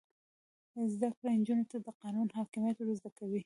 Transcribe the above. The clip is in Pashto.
زده کړه نجونو ته د قانون حاکمیت ور زده کوي.